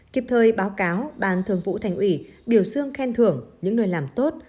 kiếp thời báo cáo bàn thường vụ thành ủy biểu xương khen thưởng những nơi làm tốt